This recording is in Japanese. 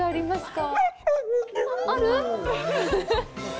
ある！？